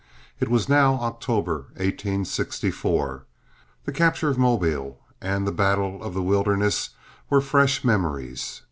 It was now October, 1864. The capture of Mobile and the Battle of the Wilderness were fresh memories.